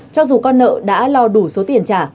cho dù con nợ đã lo đủ số tiền trả